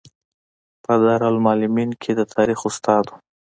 په دارالمعلمین کې د تاریخ استاد و.